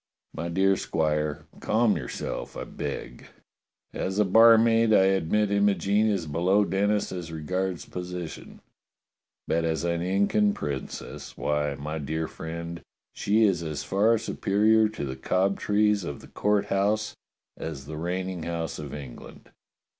"My dear Squire, cahn yourself, I beg. As a bar maid I admit Imogene is below Denis as regards posi tion, but as an Incan princess, why, my dear friend, she is as far superior to the Cobtrees of the Court House as the reigning house of England.